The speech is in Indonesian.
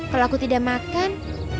kalau aku tidak makan